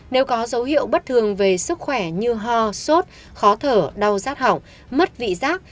nếu có dấu hiệu bất thường về sức khỏe như ho sốt khó thở đau rát hỏng mất vị giác